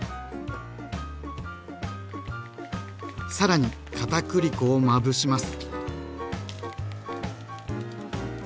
さらに片栗粉をまぶします。